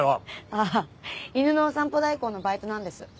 ああ犬のお散歩代行のバイトなんです。